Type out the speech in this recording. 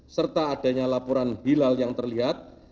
serta adanya laporan hilal yang terlihat